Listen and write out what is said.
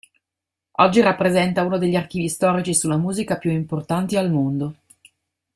Oggi rappresenta uno degli archivi storici sulla musica più importanti al mondo.